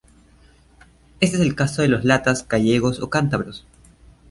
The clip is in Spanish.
Este es el caso de los Latas gallegos o cántabros.